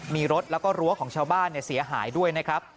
มีรถแล้วก็รั้วของชาวบ้านเสียหายด้วยนะครับ